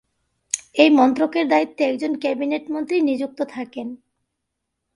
এই মন্ত্রকের দায়িত্বে একজন ক্যাবিনেট মন্ত্রী নিযুক্ত থাকেন।